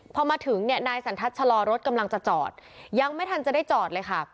พอมาถึงเนี่ยนายสันทัศน์ชะลอรถกำลังจะจอดยังไม่ทันจะได้จอดเลยค่ะ